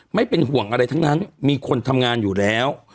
ไม่เป็นห่วงอะไรทั้งนั้นมีคนทำงานอยู่แล้ว